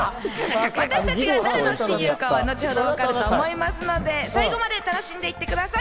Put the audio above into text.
私たちが誰の親友かは後ほど分かると思いますので最後まで楽しんでいってください。